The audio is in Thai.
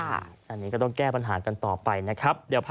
อันนี้ก็ต้องแก้ปัญหากันต่อไปนะครับ